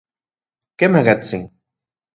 Kemakatsin.